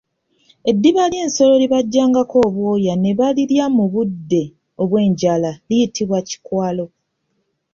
Eddiba ly'ensolo lye bajjangako obwoya ne balirya ne mu budde obw'enjala liyitibwa kikwalo.